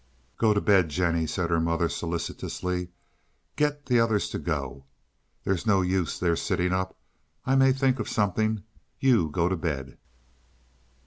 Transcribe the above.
"Go to bed, Jennie," said her mother solicitously; "get the others to go. There's no use their sitting up I may think of something. You go to bed."